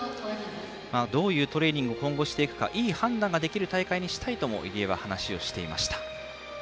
どういうトレーニングを今後していくかいい判断ができる大会にしたいとも入江は話をしていました。